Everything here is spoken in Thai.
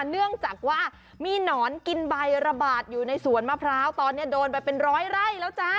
เนื่องจากว่ามีหนอนกินใบระบาดอยู่ในสวนมะพร้าวตอนนี้โดนไปเป็นร้อยไร่แล้วจ้า